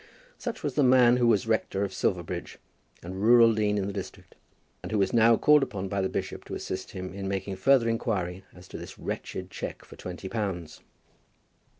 Such was the man who was rector of Silverbridge and rural dean in the district, and who was now called upon by the bishop to assist him in making further inquiry as to this wretched cheque for twenty pounds.